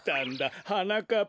はなかっ